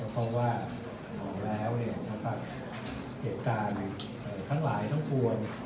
เพราะว่าเหตุการณ์ทั้งหลายทั้งควร